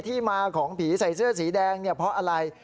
ที่มาของผีใส่เสื้อสีแดงเนี่ยเพราะอะไร